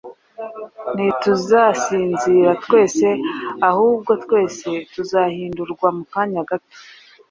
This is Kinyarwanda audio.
ntituzasinzira twese, ahubwo twese tuzahindurwa mu kanya gato,